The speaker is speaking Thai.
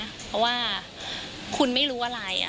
เพราะว่าคุณไม่รู้อะไร